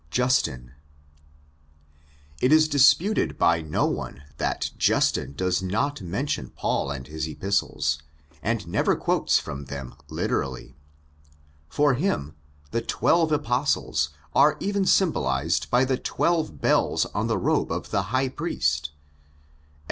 Justin. It is disputed by no one that Justin does not mention Paul and his Epistles, and never quotes from them literally. For him 'the Twelve Apostles '' are 154 THE EPISTLE TO THE ROMANS even symbolised by the twelve bells on the robe of the high priest (Ex.